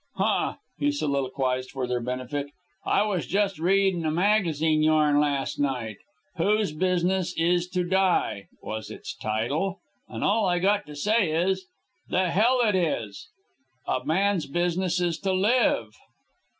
"Huh!" he soliloquized for their benefit. "I was just readin' a magazine yarn last night. 'Whose Business Is to Die,' was its title. An' all I got to say is, 'The hell it is.' A man's business is to live.